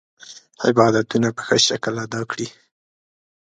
عبادتونه په ښه شکل ادا کړي.